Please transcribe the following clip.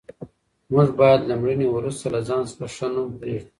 موږ باید له مړینې وروسته له ځان څخه ښه نوم پرېږدو.